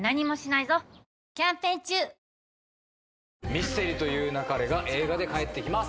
『ミステリと言う勿れ』が映画で帰ってきます。